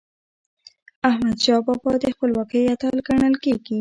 احمدشاه بابا د خپلواکی اتل ګڼل کېږي.